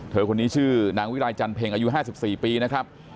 คนนี้ชื่อนางวิรัยจันเพ็งอายุ๕๔ปีนะครับ